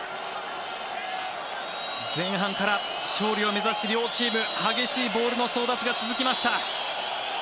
前半から勝利を目指して両チーム激しいボールの争奪が続きました。